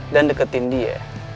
dan deketin dia